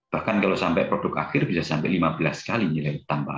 bahkan kalau sampai produk akhir bisa sampai lima belas kali nilai tambah